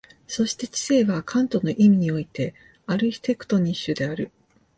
そして知性はカントの意味においてアルヒテクトニッシュである。